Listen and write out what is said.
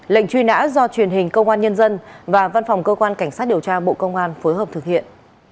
lệnh truy nã do truyền hình công an nhân dân và văn phòng cơ quan cảnh sát điều tra bộ công an phối hợp thực hiện